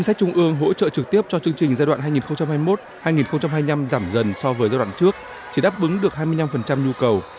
ngân sách trung ương hỗ trợ trực tiếp cho chương trình giai đoạn hai nghìn hai mươi một hai nghìn hai mươi năm giảm dần so với giai đoạn trước chỉ đáp ứng được hai mươi năm nhu cầu